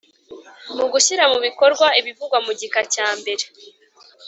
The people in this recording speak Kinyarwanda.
Mu gushyira mu bikorwa ibivugwa mu gika cya mbere